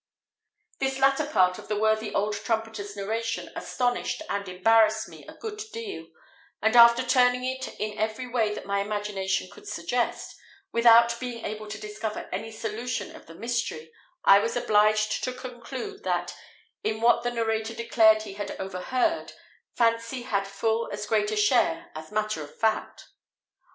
This latter part of the worthy old trumpeter's narration astonished and embarrassed me a good deal; and after turning it in every way that my imagination could suggest, without being able to discover any solution of the mystery, I was obliged to conclude that, in what the narrator declared he had overheard, fancy had full as great a share as matter of fact.